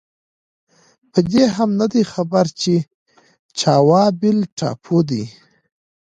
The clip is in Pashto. په دې هم نه دی خبر چې جاوا بېل ټاپو دی.